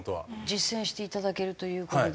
実践していただけるという事で。